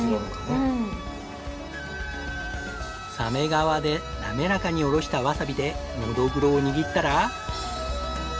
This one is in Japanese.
鮫皮で滑らかにおろしたわさびでノドグロを握ったら。